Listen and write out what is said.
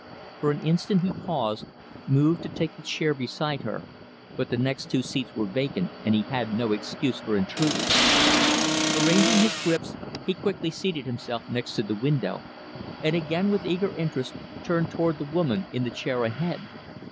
For an instant, he paused, moved to take the chair beside her; but the next two seats were vacant, and he had no excuse for intruding. Arranging his grips, he quickly seated himself next to the window; and again, with eager interest, turned toward the woman in the chair ahead.